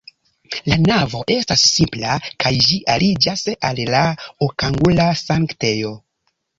La navo estas simpla kaj ĝi aliĝas al la okangula sanktejo.